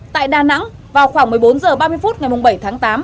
tại đà nẵng vào khoảng một mươi bốn h ba mươi phút ngày bảy tháng tám